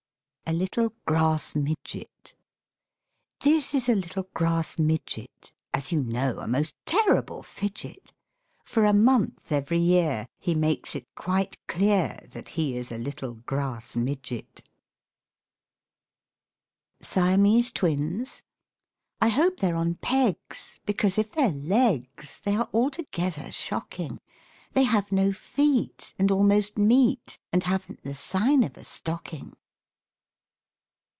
A LITTLE GRASS MIDGET This is a little grass Midget, As you know a most terrible fidget. For a month every year He makes it quite clear That he is a little grass Midget. SIAMESE TWINS? I hope they're on pegs, Because if they're legs, They are altogether shocking. They have no feet, And almost meet, And haven't the sign of a stocking.